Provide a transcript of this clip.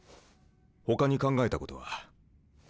ほかに考えたことは？